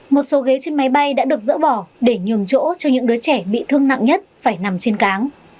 một số ghế trên máy bay đã được dỡ bỏ để nhường chỗ cho những đứa trẻ bị thương nặng nhất phải nằm trên cáng